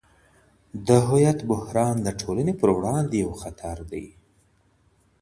د هویت بحران د ټولني پر وړاندې یو خطر دی.